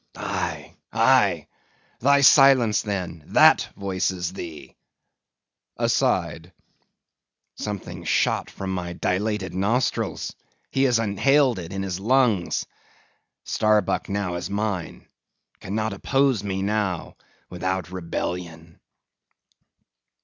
—Aye, aye! thy silence, then, that voices thee. (Aside) Something shot from my dilated nostrils, he has inhaled it in his lungs. Starbuck now is mine; cannot oppose me now, without rebellion."